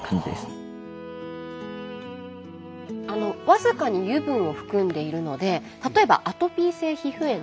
僅かに油分を含んでいるので例えばアトピー性皮膚炎。